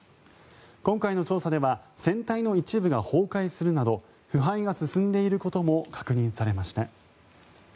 今回の調査では船体の一部が崩壊するなど腐敗が進んでいることも確認されました。